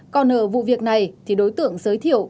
còn ở vụ việc này thì đối tượng giới thiệu